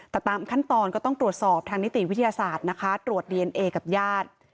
แต่ตามขั้นตอนก็ต้องตรวจสอบทางนิติวิทยาศาสตร์นะคะตรวจดีเอนเอกับญาติ